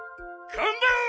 こんばんは！